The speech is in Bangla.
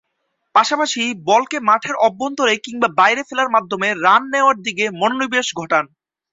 পাশাপাশি বলকে মাঠের অভ্যন্তরে কিংবা বাইরে ফেলার মাধ্যমে রান নেয়ার দিকে মনোনিবেশ ঘটান।